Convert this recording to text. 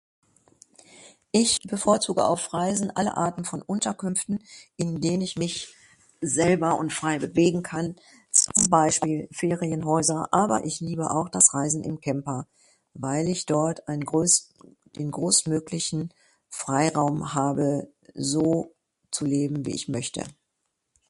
Ich bevorzuge auf Reisen alle Arten von Unterkünften in den ich mich selber und frei bewegen kann zum Beispiel Ferienhäuser aber ich liebe auch das Reisen im Camper weil ich dort ein größ ein großmöglichen Freiraum habe, so zu leben wie ich möchte.